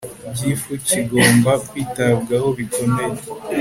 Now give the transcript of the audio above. gifu kigomba kwitabwaho bikomeye